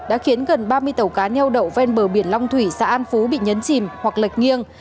đã khiến gần ba mươi tàu cá neo đậu ven bờ biển long thủy xã an phú bị nhấn chìm hoặc lật nghiêng